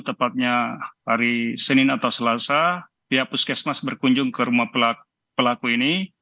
tepatnya hari senin atau selasa pihak puskesmas berkunjung ke rumah pelaku ini